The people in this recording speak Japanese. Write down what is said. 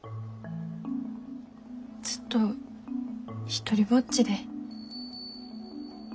ずっと独りぼっちで。